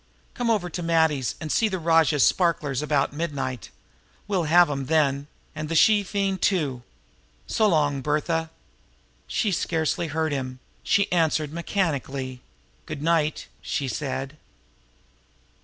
Come over to Matty's and see the rajah's sparklers about midnight. We'll have 'em then and the she fiend, too. So long, Bertha!" She scarcely heard him; she answered mechanically. "Good night," she said.